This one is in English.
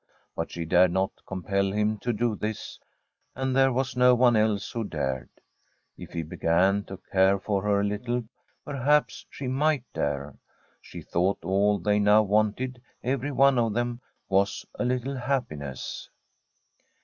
But she dared not compel him to do this, and there was no one else who dared. If he began to care for her a little, perhaps she might dare. She thought all they now wanted, every one of them, was a little hap piness.